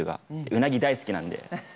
うなぎ大好きなんで。